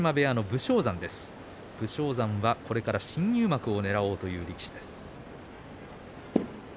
武将山はこれから新入幕をねらおうという力士です。